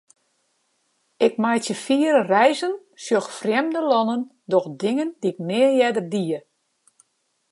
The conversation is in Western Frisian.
Ik meitsje fiere reizen, sjoch frjemde lannen, doch dingen dy'k nea earder die.